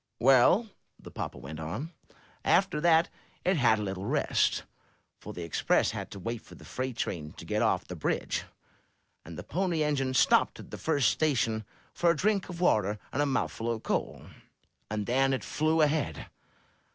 "Well," the papa went on, "after that it had a little rest, for the Express had to wait for the freight train to get off the bridge, and the Pony Engine stopped at the first station for a drink of water and a mouthful of coal, and then it flew ahead.